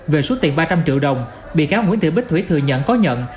về số tiền ba trăm linh triệu đồng bị cáo nguyễn thị bích thủy thừa nhận có nhận